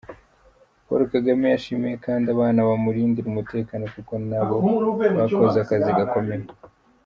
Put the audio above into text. Paul Kagame yashimiye kandi abana bamurindira umutekano kuko nabo bakoze akazi gakomeye.